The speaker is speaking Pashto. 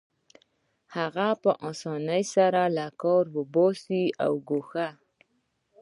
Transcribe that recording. هغه په اسانۍ سره له کاره وباسي او ګواښي